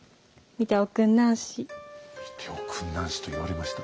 「見ておくんなんし」と言われました。